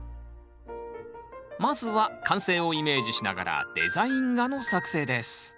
まずは完成をイメージしながらデザイン画の作成です